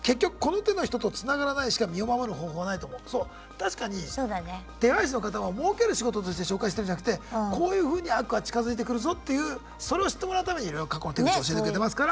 確かに手配師の方はもうける仕事として紹介してるんじゃなくてこういうふうに悪は近づいてくるぞっていうそれを知ってもらうためにいろいろ過去の手口を教えてくれてますから。